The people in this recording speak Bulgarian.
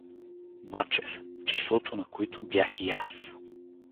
Мачев, в числото на които бях и аз.